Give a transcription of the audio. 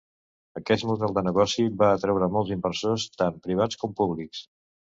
Aquest model de negoci va atreure molts inversors tant privats com públics.